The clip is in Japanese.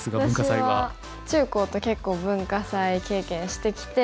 私は中高と結構文化祭経験してきて。